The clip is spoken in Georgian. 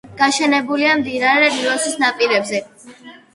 გაშენებულია მდინარე ნილოსის ნაპირებზე.